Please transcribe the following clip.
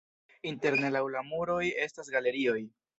Interne laŭ la muroj estas galerioj.